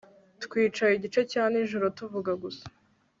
Twicaye igice cya nijoro tuvuga gusa